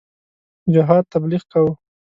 جهاد تبلیغ کاوه.